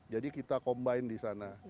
jadi kita combine di sana